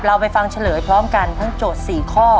เราไปฟังเฉลยพร้อมกันทั้งโจทย์๔ข้อ